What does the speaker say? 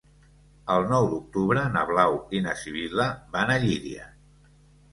El nou d'octubre na Blau i na Sibil·la van a Llíria.